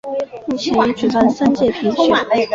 目前已举办三届评选。